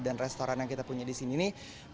dan restoran yang kita punya di sini nih